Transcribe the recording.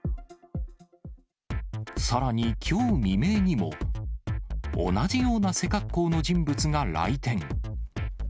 さらにきょう未明にも、同じような背格好の人物が来店。